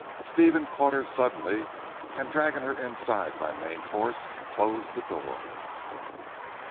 Stephen caught her suddenly and dragging her inside by main force closed the door.